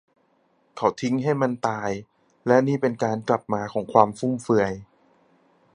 เขาทิ้งให้มันตาย และนี่เป็นการกลับมาของความฟุ่มเฟือย